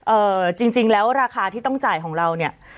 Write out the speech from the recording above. จริงแล้วราคาที่ต้องจ่ายของเราเนี่ย